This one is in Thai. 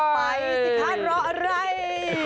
ไปสิครับรออะไร